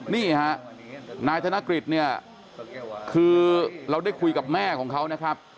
นี่ฮะนายธนกฤษเนี่ยคือเราได้คุยกับแม่ของเขานะครับ